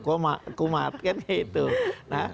kumat kan itu nah